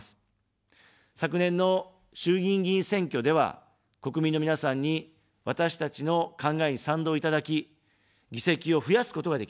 昨年の衆議院議員選挙では、国民の皆さんに、私たちの考えに賛同いただき、議席を増やすことができました。